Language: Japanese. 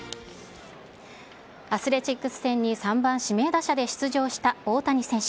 アスレチックス戦に３番指名打者で出場した大谷選手。